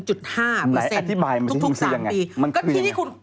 ไหนอธิบายมันที่นี่คือยังไงมันคือยังไง